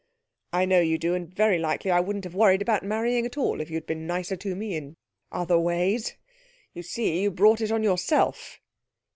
'I know you do, and very likely I wouldn't have worried about marrying at all if you had been nicer to me in other ways. You see, you brought it on yourself!'